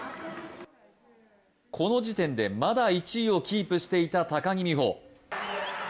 この時点で、まだ１位をキープしていた高木美帆。